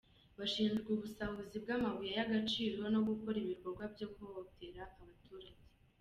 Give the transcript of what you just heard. Bashinjwa ubusahuzi bw’amabuye y’agaciro no gukora ibikorwa byo guhohotera abaturage.